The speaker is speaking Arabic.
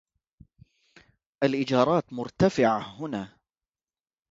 الاجارات مرتفعة هنا.